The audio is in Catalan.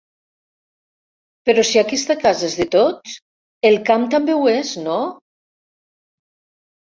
Però si aquesta casa és de tots, el camp també ho és, no?